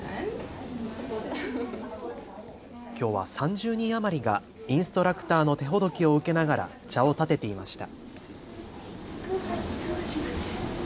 きょうは３０人余りがインストラクターの手ほどきを受けながら茶をたてていました。